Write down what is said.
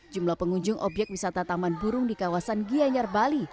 jumlah pengunjung objek wisata taman burung di kawasan gianyarbali